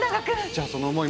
じゃあその思い